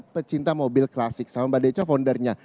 pecinta mobil klasik sama mbak deco foundernya